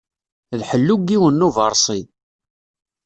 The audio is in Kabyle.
D ḥellu n yiwen n uberṣi.